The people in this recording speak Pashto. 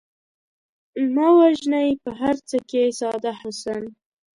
مه وژنئ په هر څه کې ساده حسن